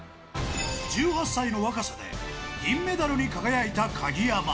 １８歳の若さで、銀メダルに輝いた鍵山。